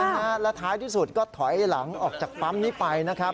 และท้ายที่สุดก็ถอยหลังออกจากปั๊มนี้ไปนะครับ